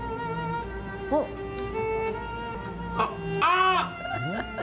あっ、あー！